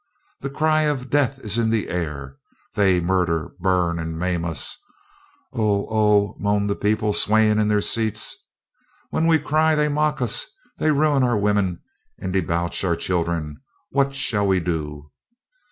The cry of death is in the air; they murder, burn, and maim us!" ("Oh oh " moaned the people swaying in their seats.) "When we cry they mock us; they ruin our women and debauch our children what shall we do?